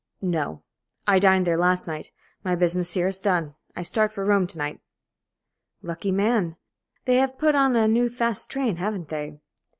"No. I dined there last night. My business here is done. I start for Rome to night." "Lucky man. They have put on a new fast train, haven't they?"